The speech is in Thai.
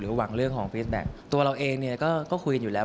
หวังเรื่องของฟีสแบ็คตัวเราเองเนี่ยก็คุยกันอยู่แล้ว